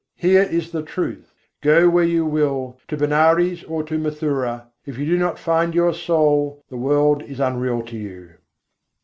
Here is the truth! Go where you will, to Benares or to Mathura; if you do not find your soul, the world is unreal to you.